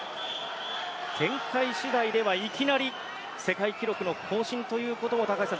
展開次第ではいきなり世界記録の更新ということも高橋さん